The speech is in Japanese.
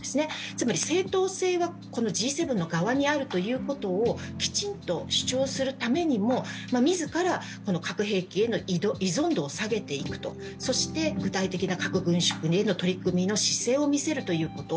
つまり正当性はＧ７の側にあるということをきちんと主張するためにも自ら核兵器への依存度を下げていくと、そして、具体的な核軍縮への取り組みの姿勢を見せるということ。